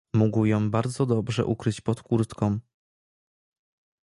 "Mógł ją bardzo dobrze ukryć pod kurtką."